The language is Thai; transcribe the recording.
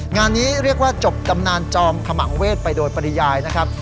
งานนี้เรียกว่าจบตำนานจอมขมังเวศไปโดยปริยายนะครับ